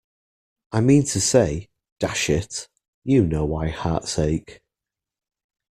I mean to say — dash it, you know why hearts ache!